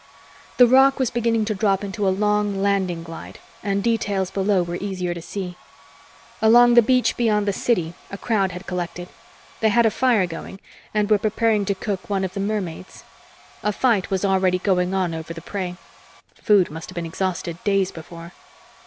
The roc was beginning to drop into a long landing glide, and details below were easier to see. Along the beach beyond the city, a crowd had collected. They had a fire going and were preparing to cook one of the mermaids. A fight was already going on over the prey. Food must have been exhausted days before.